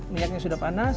minyaknya sudah panas